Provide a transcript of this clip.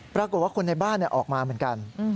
ปรากฏว่าคนในบ้านออกมาเหมือนกัน